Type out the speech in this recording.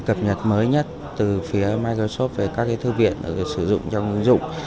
cập nhật mới nhất từ phía microsoft về các thư viện được sử dụng trong ứng dụng